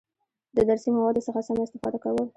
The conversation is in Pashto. د درسي موادو څخه سمه استفاده کول،